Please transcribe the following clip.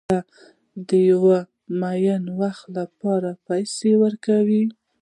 هغه د یو معین وخت لپاره پیسې ورکوي